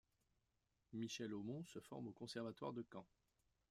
Michel Aumont se forme au conservatoire de Caen.